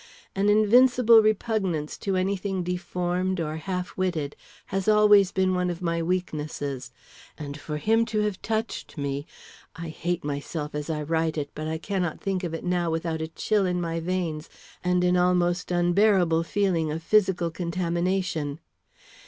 An invincible repugnance to any thing deformed or half witted has always been one of my weaknesses, and for him to have touched me I hate myself as I write it, but I cannot think of it now without a chill in my veins and an almost unbearable feeling of physical contamination.